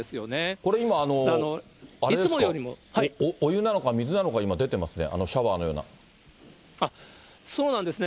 これ今、あれですか、お湯なのか、水なのか、今、そうなんですね。